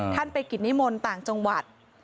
ท่านไปกิจนิมนต์ต่างจังหวัด